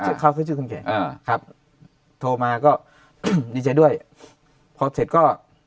ใช่เขาก็ชื่อคุณเก๋ครับโทรมาก็ดีใจด้วยพอเสร็จก็